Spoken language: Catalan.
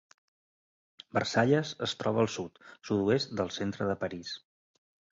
Versailles es troba al sud, sud-oest del centre de París.